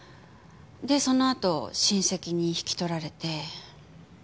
でそのあと親戚に引き取られて。